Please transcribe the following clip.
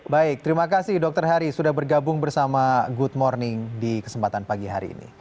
baik terima kasih dokter hari sudah bergabung bersama good morning di kesempatan pagi hari ini